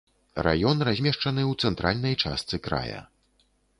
Раён размешчаны ў цэнтральнай частцы края.